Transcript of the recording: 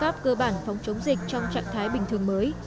trong các biện pháp cơ bản phóng chống dịch trong trạng thái bình thường mới